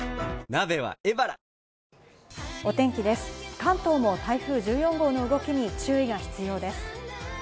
関東も台風１４号の動きに注意が必要です。